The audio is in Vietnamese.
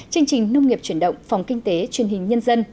chương trình lâm nghiệp chuyển động phòng kinh tế chương trình nhân dân